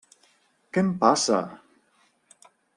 Què em passa?